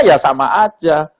ya sama saja